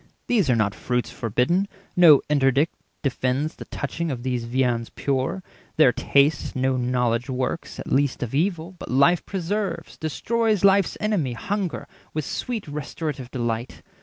These are not fruits forbidden; no interdict Defends the touching of these viands pure; 370 Their taste no knowledge works, at least of evil, But life preserves, destroys life's enemy, Hunger, with sweet restorative delight.